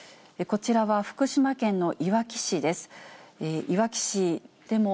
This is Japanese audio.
こちらは福島県のいわき市です。